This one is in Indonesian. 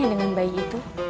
dengan bayi itu